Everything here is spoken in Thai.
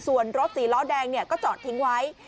ส่วนรถสีล้อแดงก็จอดทิ้งไว้